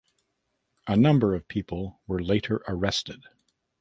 A number of people were later arrested.